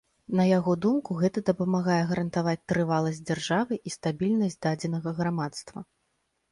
На яго думку гэта дапамагае гарантаваць трываласць дзяржавы і стабільнасць дадзенага грамадства.